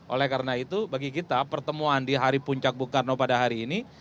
oleh karena itu bagi kita pertemuan di hari puncak bung karno pada hari ini